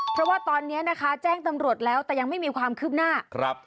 เพราะว่าตอนนี้นะคะแจ้งตำรวจแล้วแต่ยังไม่มีความคืบหน้าครับ